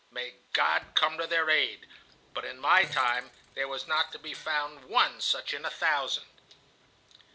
May God come to their aid! But in my time there was not to be found one such in a thousand.)